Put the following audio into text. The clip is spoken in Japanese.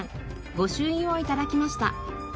御朱印を頂きました。